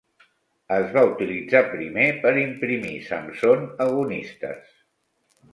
Es va utilitzar primer per imprimir Samson Agonistes.